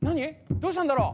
どうしたんだろう？